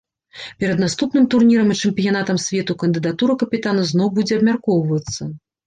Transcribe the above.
Перад наступным турнірам і чэмпіянатам свету кандыдатура капітана зноў будзе абмяркоўвацца.